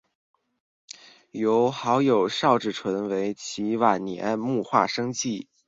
由好友邵志纯为其晚年摹划生计。